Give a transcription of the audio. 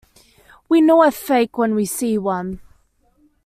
We know a fake when we see one.